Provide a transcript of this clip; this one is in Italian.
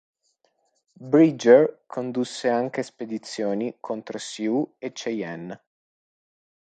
Bridger condusse anche spedizioni contro Sioux e Cheyenne.